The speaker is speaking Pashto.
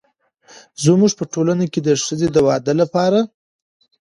زموږ په ټولنه کې د ښځې د واده لپاره